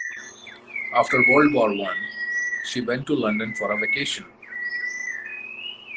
After World War One, she went to London for a vacation.